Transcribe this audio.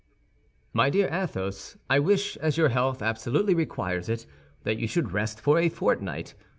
MY DEAR ATHOS, I wish, as your health absolutely requires it, that you should rest for a fortnight.